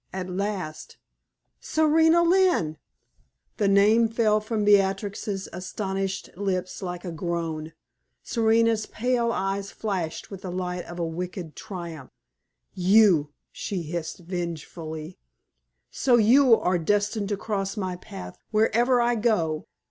At last: "Serena Lynne!" The name fell from Beatrix's astonished lips like a groan. Serena's pale eyes flashed with the light of a wicked triumph. "You!" she hissed vengefully. "So you are destined to cross my path wherever I go.